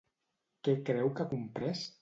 Què creu que ha comprès?